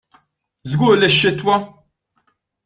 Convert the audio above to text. Żgur li x-xitwa!